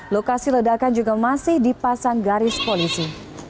lokasi ledakan juga masih dipasang garis polisi